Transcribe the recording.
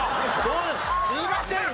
すいませんね。